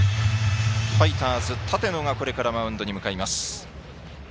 ファイターズ、立野がマウンドに向かいます。